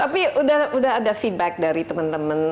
tapi udah ada feedback dari temen temen yang